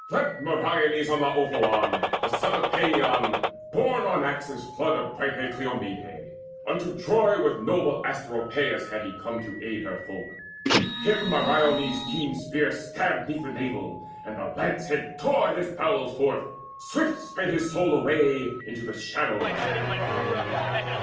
Leapt Meriones upon Laophoon The son of Paeon, born by Axius' flood Of bright haired Cleomede. Unto Troy With noble Asteropaeus had he come To aid her folk: him Meriones' keen spear Stabbed 'neath the navel, and the lance head tore His bowels forth; swift sped his soul away Into the Shadow land.